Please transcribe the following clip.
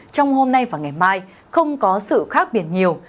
trong hôm nay và ngày mai không có sự khác biệt nhiều